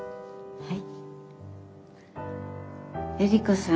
はい。